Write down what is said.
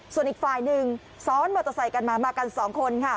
ส่วนอีกฟ้า๑นึงซ้อนวันจะใส่กันมา๒คนค่ะ